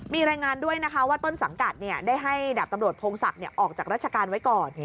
มีรายงานด้วยนะคะว่าต้นสังกัดได้ให้ดาบตำรวจพงศักดิ์ออกจากราชการไว้ก่อน